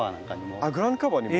あっグラウンドカバーにも？